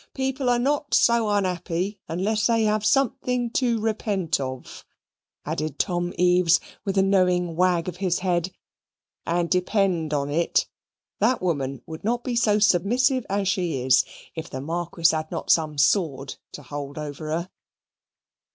People are not so unhappy unless they have something to repent of," added Tom Eaves with a knowing wag of his head; "and depend on it, that woman would not be so submissive as she is if the Marquis had not some sword to hold over her."